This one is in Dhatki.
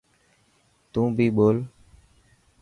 تون بي ٻول.